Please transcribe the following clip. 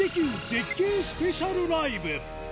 絶景スペシャルライブ。